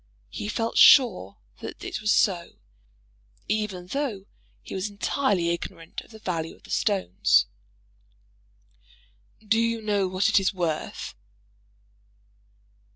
He felt sure that it was so, even though he was entirely ignorant of the value of the stones. "Do you know what it is worth?"